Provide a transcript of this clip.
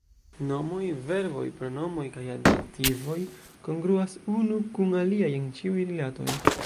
Nomoj, verboj, pronomoj kaj adjektivoj kongruas unu kun aliaj en ĉiuj rilatoj.